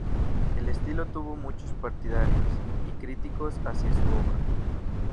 El estilo tuvo muchos partidarios y críticos hacia su obra.